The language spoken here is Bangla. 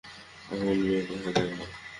অমন মেয়ে দেখা যায় না।